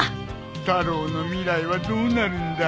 太郎の未来はどうなるんだ。